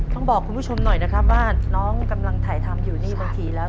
ต้องบอกคุณผู้ชมหน่อยนะครับว่าน้องกำลังถ่ายทำอยู่นี่บางทีแล้ว